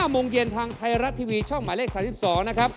โมงเย็นทางไทยรัฐทีวีช่องหมายเลข๓๒นะครับ